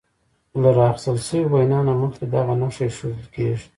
له راخیستل شوې وینا نه مخکې دغه نښه ایښودل کیږي.